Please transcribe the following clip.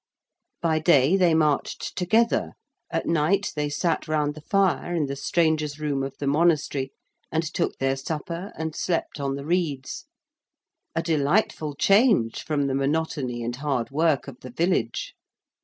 By day they marched together: at night they sat round the fire in the strangers' room of the monastery, and took their supper and slept on the reeds. A delightful change from the monotony and hard work of the village!